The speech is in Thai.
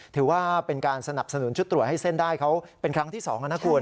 ถือว่าเป็นการสนับสนุนชุดตรวจให้เส้นได้เขาเป็นครั้งที่๒นะคุณ